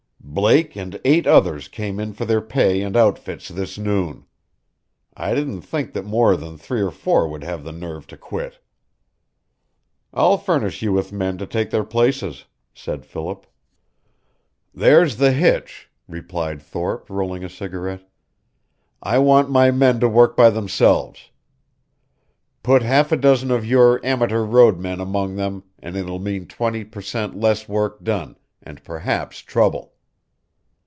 "Blake and eight others came in for their pay and outfits this noon. I didn't think that more than three or four would have the nerve to quit." "I'll furnish you with men to take their places," said Philip. "There's the hitch," replied Thorpe, rolling a cigarette. "I want my men to work by themselves. Put half a dozen of your amateur road men among them and it will mean twenty per cent. less work done, and perhaps trouble.